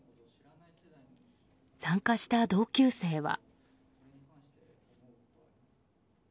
参加した同級生は。